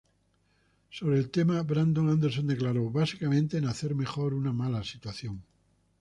Sobre el tema, Brandon Anderson declaró: "Básicamente, en hacer mejor una mala situación.